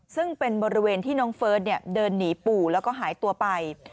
ซึ่งเป็นบริเวณที่น้องเฟิร์สเดินหนีปู่แล้วก็หายตัวไป